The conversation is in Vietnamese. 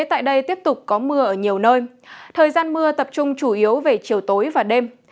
tại đây tiếp tục có mưa ở nhiều nơi thời gian mưa tập trung chủ yếu về chiều tối và đêm